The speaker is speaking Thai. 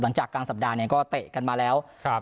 หลังจากกลางสัปดาห์เนี่ยก็เตะกันมาแล้วครับ